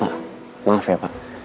pak maaf ya pak